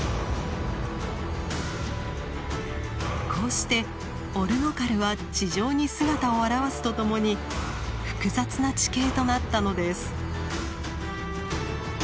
こうしてオルノカルは地上に姿を現すとともに複雑な地形となったのです。